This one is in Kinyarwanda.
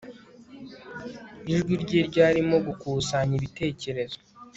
Ijwi rye ryarimo gukusanya ibitekerezo